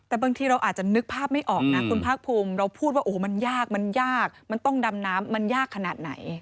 แต่บางทีเราอาจจะนึกภาพไม่ออกนะคุณภาคภูมิเราพูดว่าโอ้โหมันยากมันยากมันต้องดำน้ำมันยากขนาดไหน